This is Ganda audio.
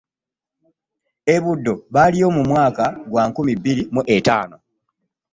E Buddo baaliyo mu mwaka gwa nkumi bbiri mu etaano